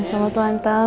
selamat ulang tahun